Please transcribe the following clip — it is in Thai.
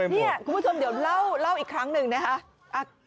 นี่คุณผู้ชมเดี๋ยวเล่าอีกครั้งหนึ่งนะคะ